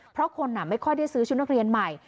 เพราะคนไม่ค่อยได้ซื้อชุดนักเรียนใหม่